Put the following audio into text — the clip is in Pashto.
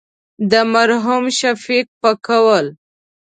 د مرحوم شفیق په قول.